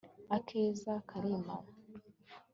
akeza karimara